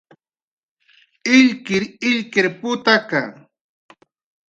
illkirilkir putaka